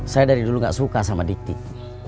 saya dari dulu gak suka sama dik dik